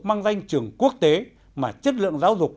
mang danh trường quốc tế mà chất lượng giáo dục